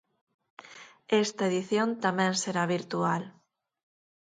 Esta edición tamén será virtual.